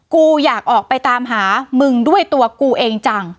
กูอยากออกไปตามหามึงด้วยตัวกูเองจัง